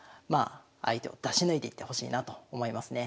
相手を出し抜いていってほしいなと思いますね。